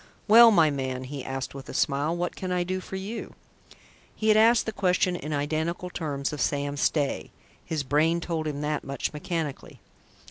"Well, my man," he asked with a smile, "what can I do for you?" He had asked the question in identical terms of Sam Stay his brain told him that much, mechanically.